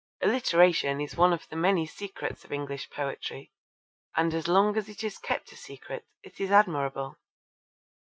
Alliteration is one of the many secrets of English poetry, and as long as it is kept a secret it is admirable.